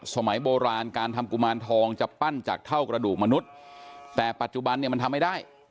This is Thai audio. สมัยโบราณการทำกุมารทองจะปั้นจากเท่ากระดูกมนุษย์แต่ปัจจุบันเนี่ยมันทำไม่ได้